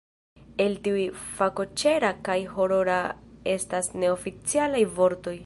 El tiuj, fakoĉera kaj horora estas neoficialaj vortoj.